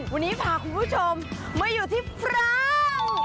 วันนี้พาคุณผู้ชมมาอยู่ที่ฟราว